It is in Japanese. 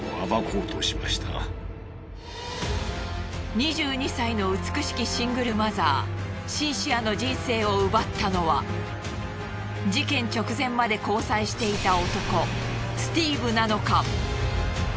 ２２歳の美しきシングルマザーシンシアの人生を奪ったのは事件直前まで交際していた男スティーブなのか。